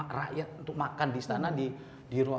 kayak memanja orang